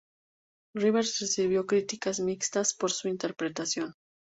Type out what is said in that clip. Rivers recibió críticas mixtas por su interpretación.